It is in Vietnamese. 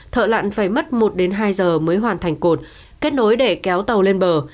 thợ lạn phải mất một hai giờ mới hoàn thành cột kết nối để kéo tàu lên bờ